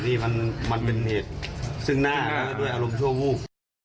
นี่มันเป็นเหตุซึ่งหน้าด้วยอารมณ์ชั่ววูบ